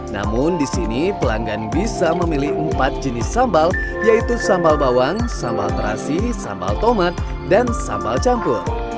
namun di sini pelanggan bisa memilih empat jenis sambal yaitu sambal bawang sambal terasi sambal tomat dan sambal campur